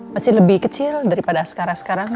masih lebih kecil daripada sekarang sekarang